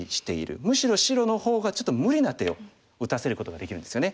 むしろ白の方がちょっと無理な手を打たせることができるんですよね。